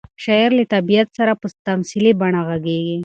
شاعر له طبیعت سره په تمثیلي بڼه غږېږي.